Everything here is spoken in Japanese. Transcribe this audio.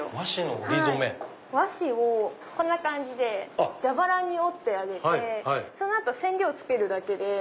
和紙をこんな感じで蛇腹に折ってあげてその後染料つけるだけで。